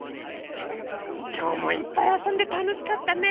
きょうもいっぱいあそんでたのしかったね。